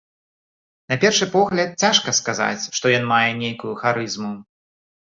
На першы погляд, цяжка сказаць, што ён мае нейкую харызму.